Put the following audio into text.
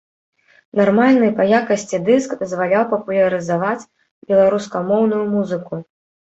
Нармальны па якасці дыск дазваляў папулярызаваць беларускамоўную музыку.